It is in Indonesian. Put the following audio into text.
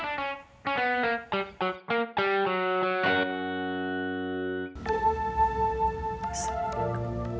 terima kasih ya allah